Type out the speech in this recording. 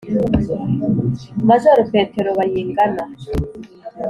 majoro petero bayingana,